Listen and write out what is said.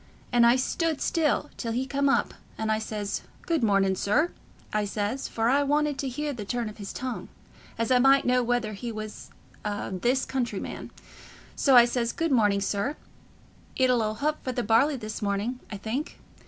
And I stood still till he come up, and I says, 'Good morning, sir,' I says, for I wanted to hear the turn of his tongue, as I might know whether he was a this country man; so I says, 'Good morning, sir: it 'll 'old hup for the barley this morning, I think.